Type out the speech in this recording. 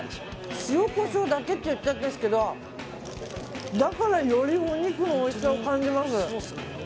塩、コショウだけって言ってたんですけどだから、よりお肉のおいしさを感じます。